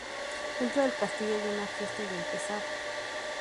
Dentro del castillo hay una fiesta ya empezada.